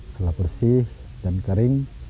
setelah bersih dan kering